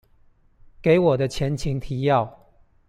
給我的前情提要